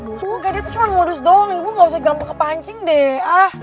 bu kayaknya tuh cuma modus doang ibu nggak usah gamau ke pancing deh